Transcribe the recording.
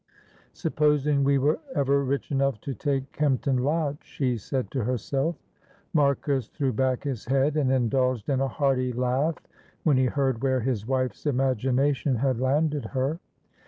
"Supposing we were ever rich enough to take Kempton Lodge," she said to herself. Marcus threw back his head and indulged in a hearty laugh, when he heard where his wife's imagination had landed her.